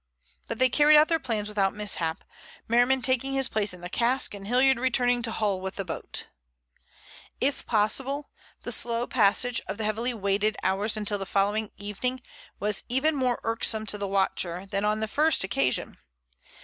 But they carried out their plans without mishap, Merriman taking his place in the cask, and Hilliard returning to Hull with the boat. If possible, the slow passage of the heavily weighted hours until the following evening was even more irksome to the watcher than on the first occasion.